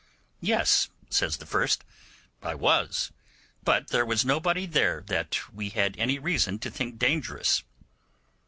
'Yes,' says the first, 'I was; but there was nobody there that we had any reason to think dangerous.